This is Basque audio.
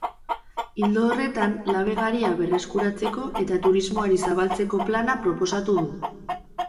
Ildo horretan, labe garia berreskuratzeko eta turismoari zabaltzeko plana proposatu du.